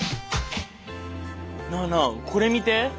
なあなあこれ見て！